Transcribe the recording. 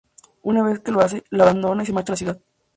Una vez que lo hace, la abandona y se marcha a la ciudad.